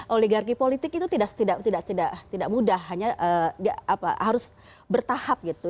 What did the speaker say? oligarki politik itu tidak mudah hanya harus bertahap gitu